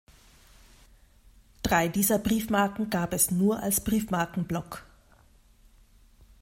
Drei dieser Briefmarken gab es nur als Briefmarkenblock.